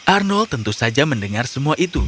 arnold tentu saja mendengar semua itu